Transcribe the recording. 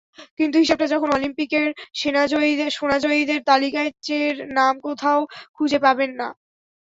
কিন্তু হিসাবটা যখন অলিম্পিকের, সোনাজয়ীদের তালিকায় চের নাম কোথাও খুঁজে পাবেন না।